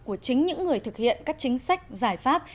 của chính những người thực hiện các chính sách giải pháp